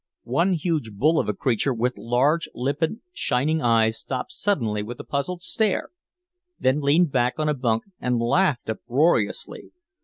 One huge bull of a creature with large, limpid, shining eyes stopped suddenly with a puzzled stare, then leaned back on a bunk and laughed uproariously.